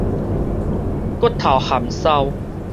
骨頭含梢